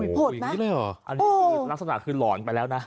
โอ้โหโหยังงี้แหละหรออันนี้ลักษณะคือหลอนไปแล้วนะ